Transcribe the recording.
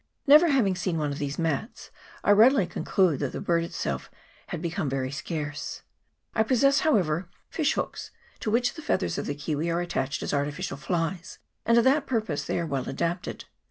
Never having seen one of these mats, I readily con cluded that the bird itself had become very scarce. I possess, however, fish hooks to which the feathers of the kiwi are attached as artificial flies; and to that purpose they are well adapted.